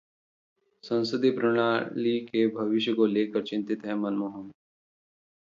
संसदीय प्रणाली के भविष्य को लेकर चिंतित हैं मनमोहन